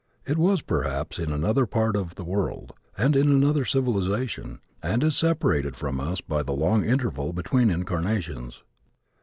It was perhaps in another part of the world, and in another civilization, and is separated from us by the long interval between incarnations.